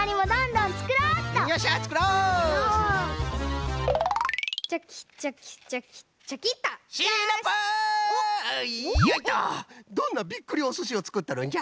どんなびっくりおすしをつくっとるんじゃ？